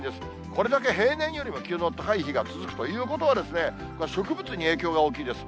これだけ平年よりも気温の高い日が続くということはですね、植物に影響が大きいです。